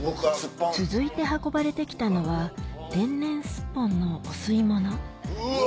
続いて運ばれて来たのは天然スッポンのお吸いものうわ！